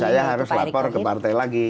saya harus lapor ke partai lagi